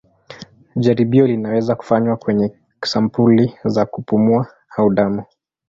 Jaribio linaweza kufanywa kwenye sampuli za kupumua au damu.